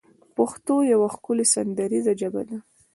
پښتو يوه ښکلې سندريزه ژبه ده